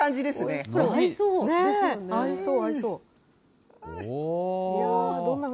合いそう、合いそう。